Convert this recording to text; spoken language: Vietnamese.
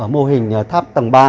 mô hình tháp tầng ba